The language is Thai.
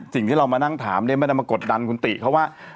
สิ่งที่เรามานั่งถามมากดดันคุณติเขาว่า